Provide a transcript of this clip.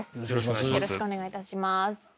よろしくお願いします。